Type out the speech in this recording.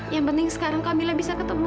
yang penting sekarang kamila bisa ketemu